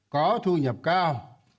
có thu nhập cao